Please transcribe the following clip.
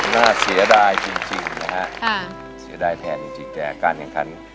น่าเสียดายจริงจริงนะฮะอ่าเสียดายแทนจริงจริงแต่การแข่งคัน